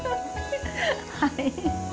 はい。